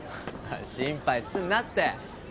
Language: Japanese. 心配すんなって。